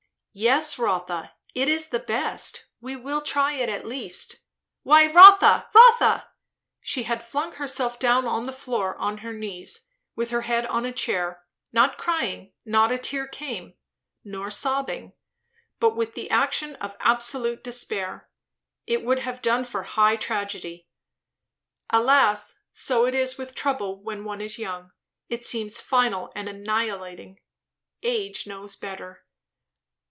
"Yes, Rotha, it is the best. We will try it, at least. Why Rotha! Rotha! " She had flung herself down on the floor, on her knees, with her head on a chair; not crying, not a tear came; nor sobbing; but with the action of absolute despair. It would have done for high tragedy. Alas, so it is with trouble when one is young; it seems final and annihilating. Age knows better.